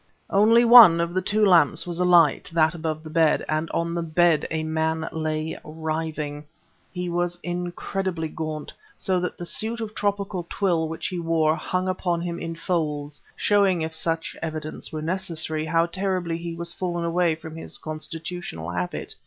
Only one of the two lamps was alight that above the bed; and on the bed a man lay writhing. He was incredibly gaunt, so that the suit of tropical twill which he wore hung upon him in folds, showing if such evidence were necessary, how terribly he was fallen away from his constitutional habit.